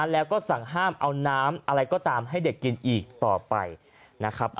แล้วก็สั่งห้ามเอาน้ำอะไรก็ตามให้เด็กกินอีกต่อไปนะครับ